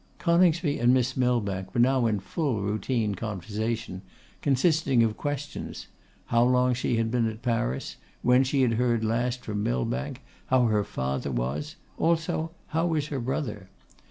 Coningsby and Miss Millbank were now in full routine conversation, consisting of questions; how long she had been at Paris; when she had heard last from Millbank; how her father was; also, how was her brother.